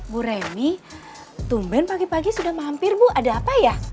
bu reni tumben pagi pagi sudah mampir bu ada apa ya